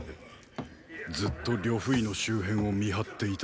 ずっと呂不韋の周辺を見張っていた。